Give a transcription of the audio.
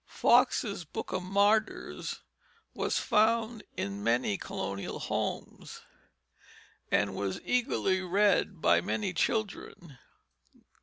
Foxe's Book of Martyrs was found in many colonial homes, and was eagerly read by many children.